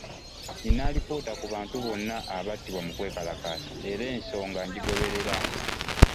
Nina alipoota ku bantu bonna abattibwa mu kwekalakaasa era ensonga ngigoberera.